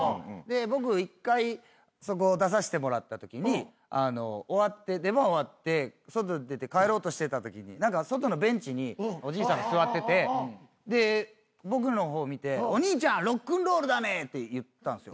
で僕１回そこ出させてもらったときに出番終わって外出て帰ろうとしてたときに何か外のベンチにおじいさんが座っててで僕の方見て「お兄ちゃんロックンロールだね」って言ったんすよ。